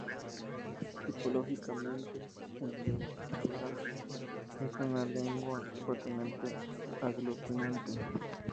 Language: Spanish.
Tipológicamente el euskera es una lengua fuertemente aglutinante.